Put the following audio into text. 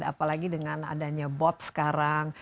apalagi dengan adanya bot sekarang